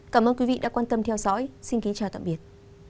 cảm ơn quý vị đã quan tâm theo dõi xin kính chào tạm biệt